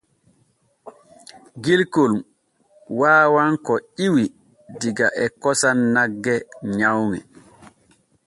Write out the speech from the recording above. Gilkon waawan ko ƴiwi diga e kosam nagge nyawŋe.